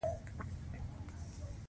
النفس المطمئنه بلل کېږي.